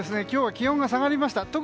今日は気温が下がりました。